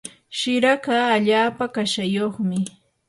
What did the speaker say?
shiraka allaapa kashayuqmi.